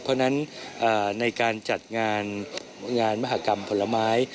เพราะฉะนั้นในการจัดงานงานมหากรรมผลไม้